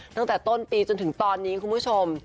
ตั้งแต่ต้นปีจนถึงตอนนี้คุณผู้ชม